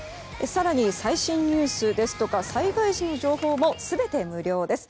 更に、最新ニュースですとか災害時の情報も全て無料です。